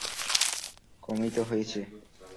কমই তো হয়েছে।